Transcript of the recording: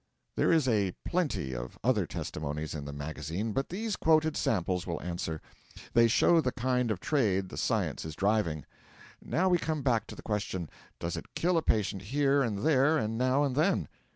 There is a plenty of other testimonies in the magazine, but these quoted samples will answer. They show the kind of trade the Science is driving. Now we come back to the question; Does it kill a patient here and there and now and then?